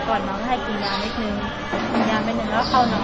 ก่อนน้องให้กินงานนิดหนึ่งกินงานไปหนึ่งแล้วเข้านอน